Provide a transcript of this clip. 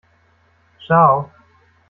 Ciao!